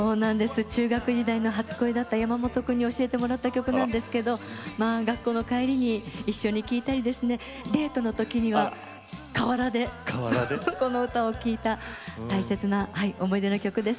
中学時代の初恋山本君に教えてもらった曲なんですけど学校の帰りに一緒に聴いたりデートの時には河原でこの歌を聴いた大切な思い出の曲です。